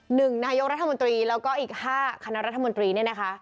หนึ่งนายกรัฐมนตรีแล้วก็อีกห้าคณะรัฐมนตรีเนี่ยนะคะ